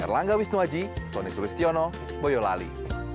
erlangga wisnuaji soni sulistiono boyolali